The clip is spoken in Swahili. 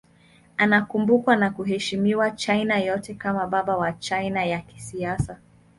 Anakumbukwa na kuheshimiwa China yote kama baba wa China ya kisasa.